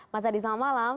mas adi selamat malam